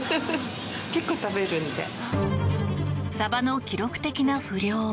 サバの記録的な不漁。